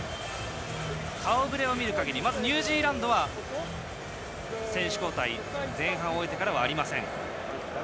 顔ぶれを見る限りニュージーランドは選手交代は前半を終えてからはありません。